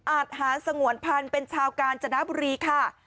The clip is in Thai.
ทหารสงวนพันธ์เป็นชาวกาญจนบุรีค่ะ